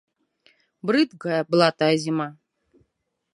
Брыдкая была тая зіма!